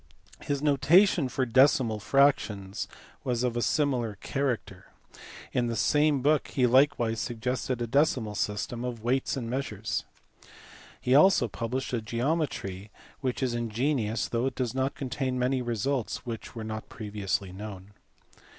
His notation for decimal fractions was of a similar character (see above, p. 202). In the same book he likewise suggested a decimal system of weights and measures. He also published a geometry which is ingenious though it does not contain many results which were not previously known.